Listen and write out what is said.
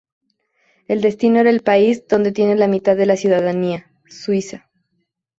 El destino era el país donde tiene la mitad de la ciudadanía, Suiza.